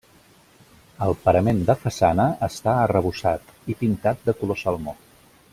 El parament de façana està arrebossat i pintat de color salmó.